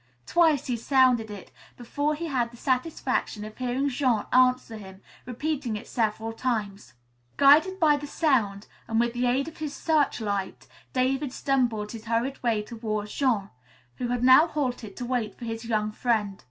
Twice he sounded it, before he had the satisfaction of hearing Jean answer him, repeating it several times. Guided by the sound, and with the aid of his searchlight, David stumbled his hurried way toward Jean, who had now halted to wait for his young friend.